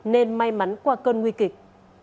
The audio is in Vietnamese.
nên may mắn qua cơn nguy kịch